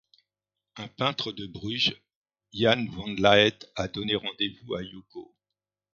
Un peintre de Bruges, Jan Van Laet a donné rendez-vous à Yoko.